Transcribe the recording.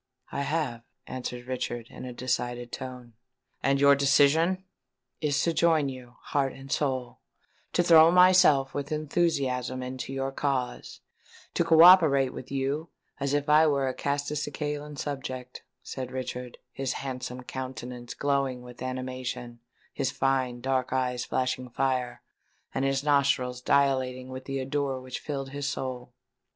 "I have," answered Richard, in a decided tone. "And your decision——" "Is to join you, heart and soul—to throw myself with enthusiasm into your cause—to co operate with you as if I were a Castelcicalan subject," said Richard, his handsome countenance glowing with animation, his fine dark eyes flashing fire, and his nostrils dilating with the ardour which filled his soul.